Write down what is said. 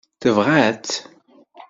Tebɣa-tt?